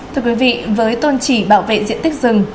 thưa quý vị với tôn chỉ bảo vệ diện tích rừng